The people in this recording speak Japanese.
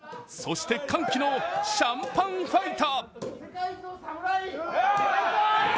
そして歓喜のシャンパンファイト。